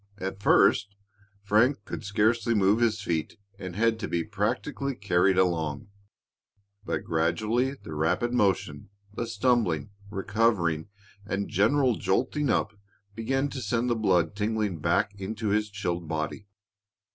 At first, Frank could scarcely move his feet and had to be practically carried along. But gradually the rapid motion, the stumbling, recovering, and general jolting up began to send the blood tingling back into his chilled body.